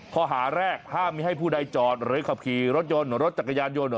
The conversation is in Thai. ข้อหาแรกห้ามมีให้ผู้ใดจอดหรือขับขี่รถยนต์รถจักรยานยนต์